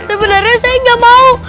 sebenarnya saya gak mau